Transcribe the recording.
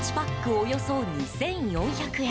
およそ２４００円。